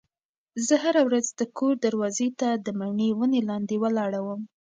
زه هره ورځ د کور دروازې ته د مڼې ونې لاندې ولاړه وم.